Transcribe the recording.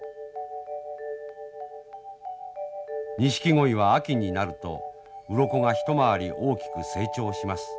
ニシキゴイは秋になるとうろこが一回り大きく成長します。